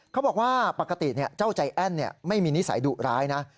เขาบอกว่าปกติเจ้าใจแอ้นไม่มีนิสัยดุร้ายนะ